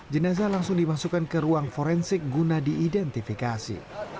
jenazah langsung dimasukkan ke ruang forensik guna diidentifikasi